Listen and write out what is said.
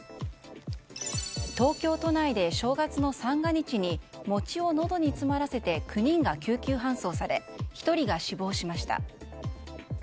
東京都内で正月の三が日に餅をのどに詰まらせて９人が救急搬送され１人が死亡しました。